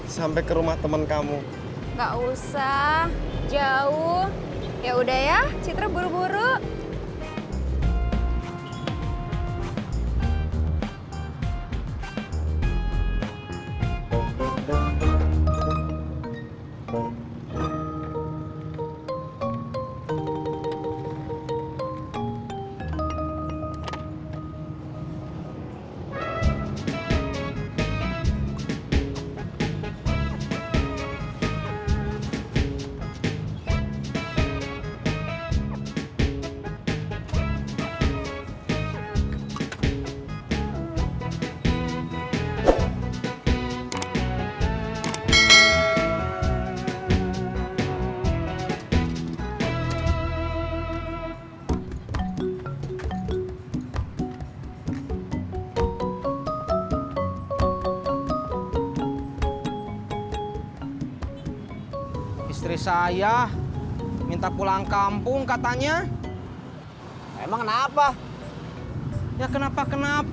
sampai jumpa di video selanjutnya